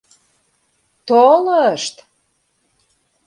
Толышт!